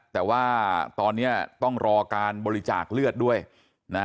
แต่ว่าตอนนี้ต้องรอการบริจาคเลือดด้วยนะ